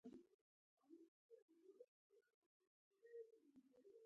نه مې يار نه مې غمخوار شته په دا غم کې